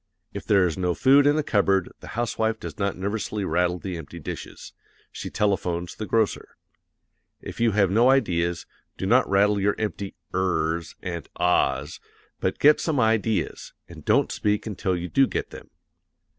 If there is no food in the cupboard the housewife does not nervously rattle the empty dishes; she telephones the grocer. If you have no ideas, do not rattle your empty ers and ahs, but get some ideas, and don't speak until you do get them.